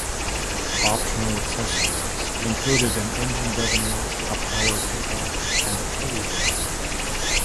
Optional accessories included an engine governor, a power takeoff, and a pulley drive.